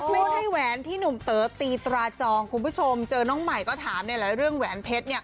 พูดให้แหวนที่หนุ่มเต๋อตีตราจองคุณผู้ชมเจอน้องใหม่ก็ถามเรื่องแหวนเพชรเนี่ย